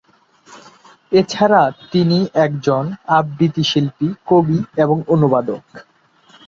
এছাড়া তিনি একজন আবৃত্তি শিল্পী, কবি এবং অনুবাদক।